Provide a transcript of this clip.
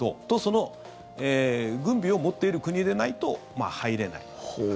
と、その軍備を持っている国でないと入れない。